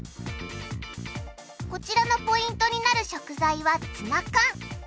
こちらのポイントになる食材はツナ缶。